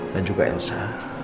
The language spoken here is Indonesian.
dan juga elsa